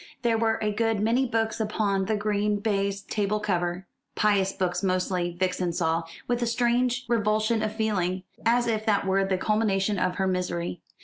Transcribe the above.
There were a good many books upon the green baize table cover; pious books mostly, Vixen saw, with a strange revulsion of feeling; as if that were the culmination of her misery.